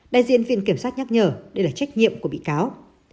đại diện viện kiểm sát nhắc nhở đây là trách nhiệm của bị cáo